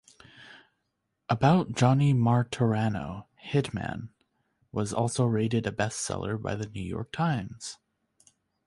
About Johnny Martorano, "Hitman" was also rated a best-seller by the "New York Times".